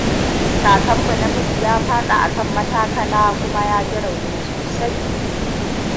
Kakan mu na miji ya faɗi a kan matakala kuma ya ji rauni sosai.